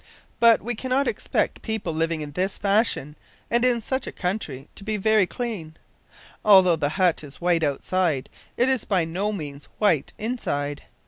But we cannot expect people living in this fashion, and in such a country, to be very clean. Although the hut is white outside, it is by no means white inside.